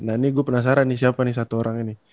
nah ini gue penasaran nih siapa nih satu orang ini